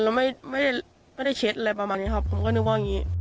เราไม่ได้เช็ดอะไรประมาณนี้ครับผมก็นึกว่าอย่างนี้